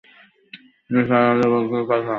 নিসার আলি বইটির পাতা ওন্টাতে লাগলেন।